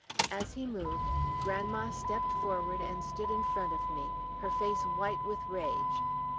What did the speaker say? As he moved, grandma stepped forward and stood in front of me, her face white with rage.